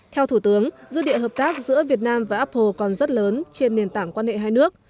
theo thủ tướng dư địa hợp tác giữa việt nam và apple còn rất lớn trên nền tảng quan hệ hai nước